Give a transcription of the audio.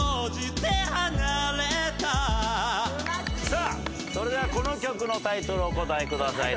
さあそれではこの曲のタイトルをお答えください。